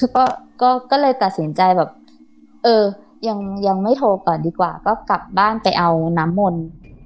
ก็เลยตัดสินใจแบบเออยังไม่โทรก่อนดีกว่าก็กลับบ้านไปเอาน้ำมนต์